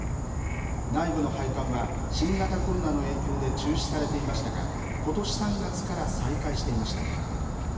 内部の拝観は、新型コロナの影響で中止されていましたが、ことし３月から再開していました。